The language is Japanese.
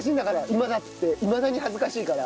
今だっていまだに恥ずかしいから。